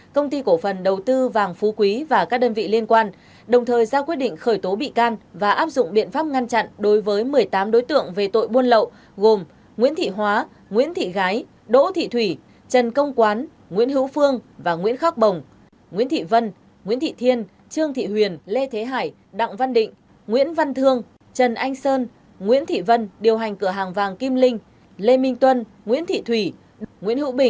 công ty của phần đầu tư vàng phú quý và các đơn vị liên quan đồng thời ra quyết định khởi tố bị can và áp dụng biện pháp ngăn chặn đối với một mươi tám đối tượng về tội buôn lậu gồm nguyễn thị hóa nguyễn thị gái đỗ thị thủy trần công quán nguyễn hữu phương và nguyễn khóc bồng nguyễn thị vân nguyễn thị thiên trương thị huyền lê thế hải đặng văn định nguyễn văn thương trần anh sơn nguyễn thị vân điều hành cửa hàng vàng kim linh lê minh tuân nguyễn thị thủy n